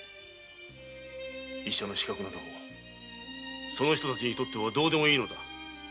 医者の資格などその人たちにとってはどうでもいいのだ。